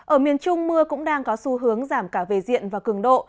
ở miền trung mưa cũng đang có xu hướng giảm cả về diện và cường độ